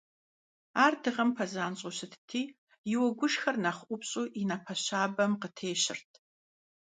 Ар дыгъэм пэзанщӀэу щытти, и уэгушхэр нэхъ ӀупщӀу и напэ щабэм къытещырт.